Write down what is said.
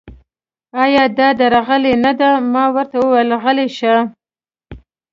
ایا دا درغلي نه ده؟ ما ورته وویل: غلي شئ.